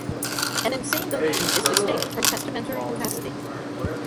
An insane delusion is distinct from testamentary capacity.